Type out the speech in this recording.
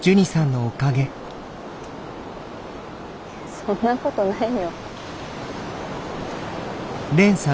そんなことないよ。